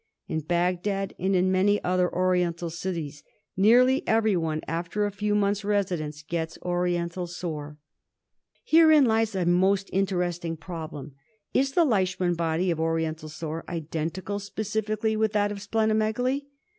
In Bagdad, and in many other Oriental cities, nearly everyone after a few months' residence gets Oriental Sore. Herein lies a most interesting problem. Is the Leishman body of Oriental Sore identical specifically with that of spleno megaly